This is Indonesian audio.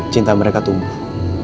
cinta mereka tumbuh